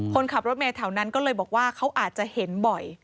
คนขับรถเมย์แถวนั้นก็เลยบอกว่าเขาอาจจะเห็นบ่อย